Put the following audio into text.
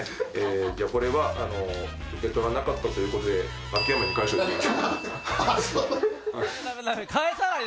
これは受け取らなかったということで秋山に返してください。